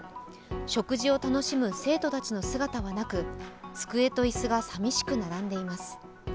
食事を楽しむ生徒たちの姿はなく机と椅子が寂しく並んでいます。